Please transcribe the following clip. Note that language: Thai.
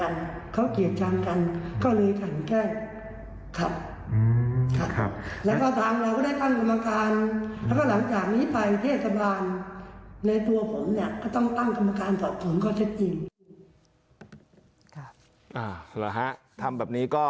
นะครับ